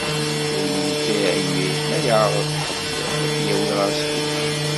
Ur yenfiε imir ma yeεreḍ ḥedd ad t-yawi ɣer sbiṭar.